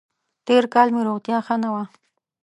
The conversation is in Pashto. تېر کال مې روغتیا ښه نه وه.